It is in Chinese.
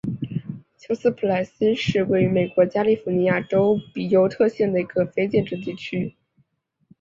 休斯普莱斯是位于美国加利福尼亚州比尤特县的一个非建制地区。